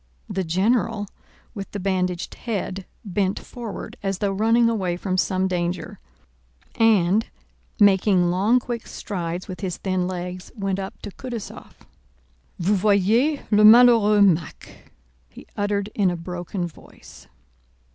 The general with the bandaged head bent forward as though running away from some danger, and, making long, quick strides with his thin legs, went up to Kutúzov. "Vous voyez le malheureux Mack," he uttered in a broken voice.